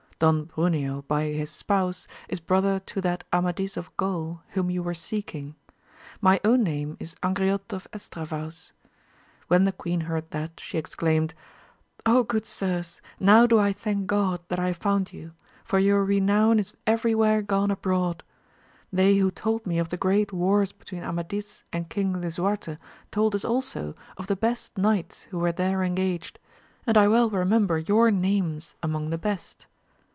Don Bruneo, by his spouse, is brother to that Amadis of Gaul whom you were seeking. My own name is Angriote of Estra vaus. When the queen heard that, she exclaimed, good sirs, now do I thank God that I have found you ! for your renown is every where gone abroad. They who told me of the great wars between Amadis and King Lisuarte, told us also of the best knights who were there engaged, and I well remember your names among the best.